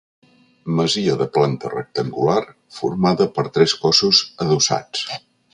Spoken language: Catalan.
Masia de planta rectangular formada per tres cossos adossats.